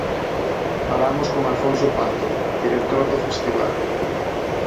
Falamos con Alfonso Pato, director do festival.